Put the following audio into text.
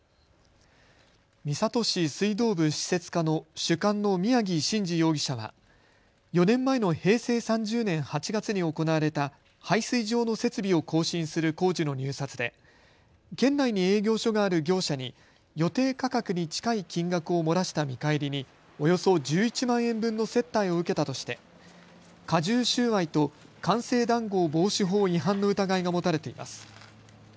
三郷市水道部施設課の主幹の宮城真司容疑者は４年前の平成３０年８月に行われた配水場の設備を更新する工事の入札で県内に営業所がある業者に予定価格に近い金額を漏らした見返りにおよそ１１万円分の接待を受けたとして加重収賄と官製談合防止法違反の疑いが持たれています。